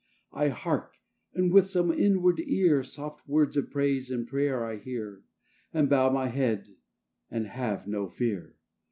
I hark; and with some inward ear Soft words of praise and prayer I hear, And bow my head and have no fear.